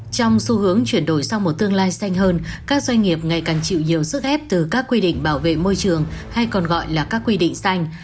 trong xu hướng chuyển đổi sang một tương lai xanh hơn các doanh nghiệp ngày càng chịu nhiều sức ép từ các quy định bảo vệ môi trường hay còn gọi là các quy định xanh